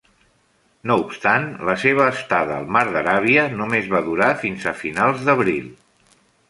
No obstant, la seva estada al Mar d'Aràbia només va durar fins a finals d'abril.